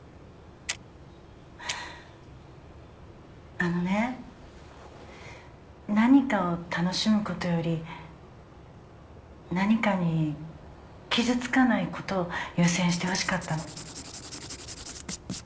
あのね何かを楽しむことより何かに傷つかないことを優先してほしかったの。